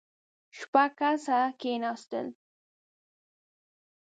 شپږ کسه کېناستل.